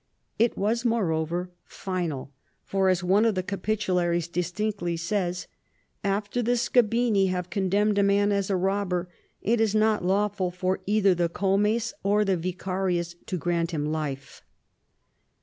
It was, moreover, final ; for, as one of the Capitularies distinctly says, " After the scabini have condemned a man as a robber, it is not lawful for either the comes or the vicarius to grant him life."